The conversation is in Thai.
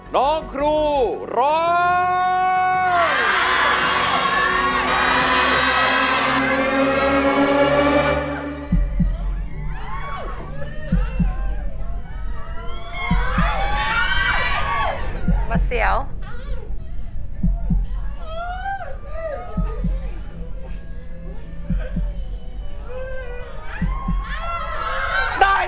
น้องครูร้อง